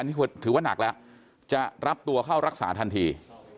นี่ถือว่านักแล้วจะรับตัวเข้ารักษาทันที